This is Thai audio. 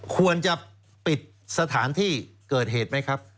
ควรจะปิดสถานที่เกิดเหตุไหมครับ